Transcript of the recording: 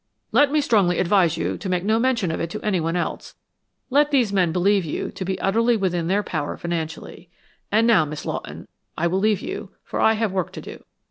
"Let me strongly advise you to make no mention of it to anyone else; let these men believe you to be utterly within their power financially. And now, Miss Lawton, I will leave you, for I have work to do."